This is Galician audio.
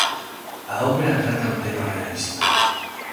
A ópera trata un tema realista.